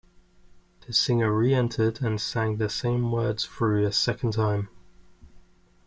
The singer re-entered and sang the same words through a second time.